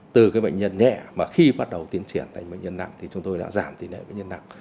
từ bệnh nhân nhẹ mà khi bắt đầu tiến triển thành bệnh nhân nặng